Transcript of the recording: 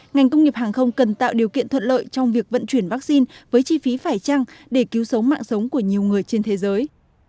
ngành công nghiệp hàng không cần tạo điều kiện thuận lợi trong việc vận chuyển vaccine với chi phí phải trăng để cứu sống mạng sống của nhiều người trên thế giới